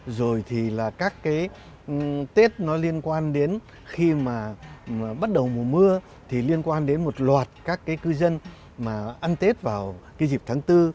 rồi thì là các cái tết nó liên quan đến khi mà bắt đầu mùa mưa thì liên quan đến một loạt các cái cư dân mà ăn tết vào cái dịp tháng bốn